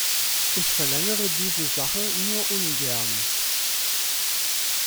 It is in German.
Ich verlängere diese Sache nur ungern.